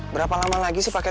berapa lama lagi